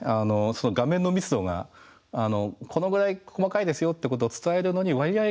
その画面の密度がこのぐらい細かいですよってことを伝えるのに割合